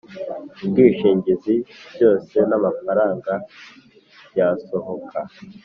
Ubwishingizi byose n amafaranga yasohoka